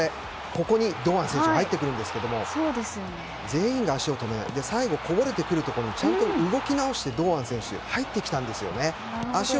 ここに堂安選手が入ってくるんですが全員が足を止め最後こぼれてくるところでちゃんと動きなおして堂安選手が入ってきたんですよね。